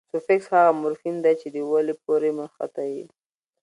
سوفیکس هغه مورفیم دئ، چي د ولي پوري مښتي يي.